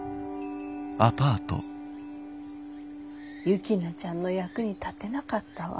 雪菜ちゃんの役に立てなかったわ。